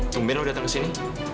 tumben udah dateng kesini